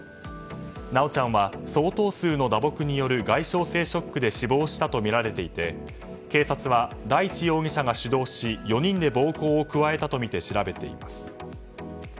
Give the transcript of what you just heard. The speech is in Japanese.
修ちゃんは相当数の打撲による外傷性ショックで死亡したとみられていて警察は大地容疑者が主導し４人で暴行を加えたとみて調べています。